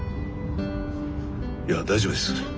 いや大丈夫です。